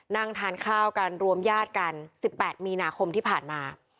นั่งทานข้าวกันรวมญาติกัน๑๘มีนาคมที่ผ่านมา